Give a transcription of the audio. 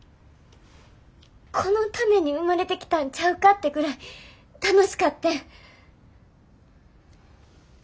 このために生まれてきたんちゃうかってぐらい楽しかってん。